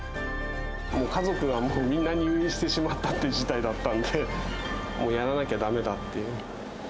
もう家族がみんな入院してしまったっていう事態だったんで、もうやらなきゃだめだって。